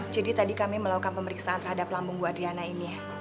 jadi tadi kami melakukan pemeriksaan terhadap lambung bu adriana ini